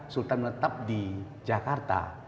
sultan menetap di jakarta